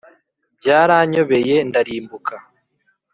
byaranyobeye, ndarimbuka